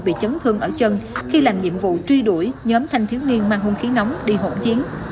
bị chấn thương ở chân khi làm nhiệm vụ truy đuổi nhóm thanh thiếu niên mang hung khí nóng đi hỗn chiến